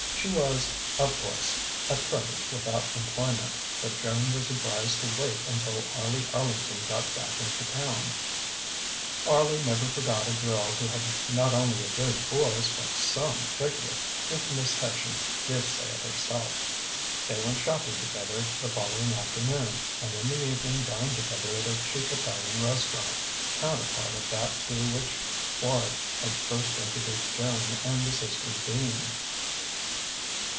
She was, of course, at present without employment; but Joan was advised to wait until Arlie Arlington got back into Town; Arlie never forgot a girl who had not only a good voice but some figure, if Miss Hession did say it herself. They went shopping together the following afternoon, and in the evening dined together at a cheap Italian restaurant, counterpart of that to which Quard had first introduced Joan and the Sisters Dean.